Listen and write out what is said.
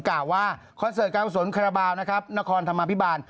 กล่าวว่าคอนเสิร์ตการกุศลคาราบาลนะครับนครธรรมภิบาล